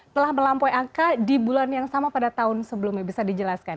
telah melampaui angka di bulan yang sama pada tahun sebelumnya bisa dijelaskan